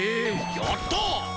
やった！